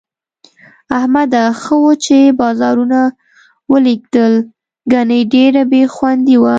احمده! ښه وو چې بازارونه ولږېدل، گني ډېره بې خوندي وه.